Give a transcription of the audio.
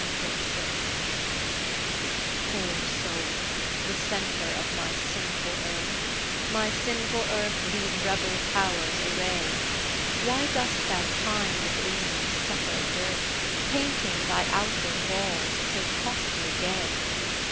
CXLVI Poor soul, the centre of my sinful earth, My sinful earth these rebel powers array, Why dost thou pine within and suffer dearth, Painting thy outward walls so costly gay?